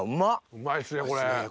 うまいっすねこれ。